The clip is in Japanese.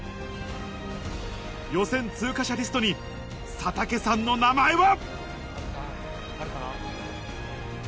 予選通過者リストに佐竹さんの名前は。